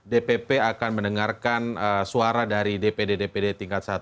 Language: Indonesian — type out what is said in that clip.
dpp akan mendengarkan suara dari dpd dpd tingkat satu